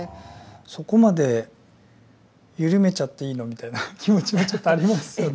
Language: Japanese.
そこまで緩めちゃっていいのみたいな気持ちもちょっとありますよね。